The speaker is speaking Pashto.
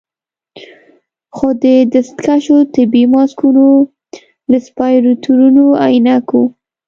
خو د دستکشو، طبي ماسکونو، رسپايرتورونو، عينکو